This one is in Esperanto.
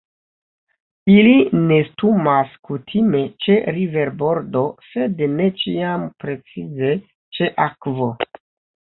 Ili nestumas kutime ĉe riverbordo, sed ne ĉiam precize ĉe akvo.